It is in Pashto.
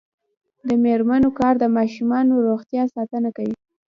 د میرمنو کار د ماشومانو روغتیا ساتنه کوي.